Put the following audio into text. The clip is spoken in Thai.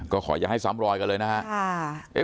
ก็ขออย่าให้ซ้ำรอยกันเลยนะครับ